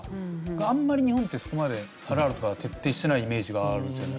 あんまり日本ってそこまでハラルとかは徹底してないイメージがあるんですよね。